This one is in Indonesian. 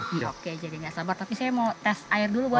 oke jadi tidak sabar tapi saya mau tes air dulu boleh pak